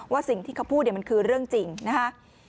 สิ่งที่เขาพูดเนี่ยมันคือเรื่องจริงนะฮะ